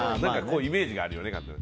イメージがあるよね。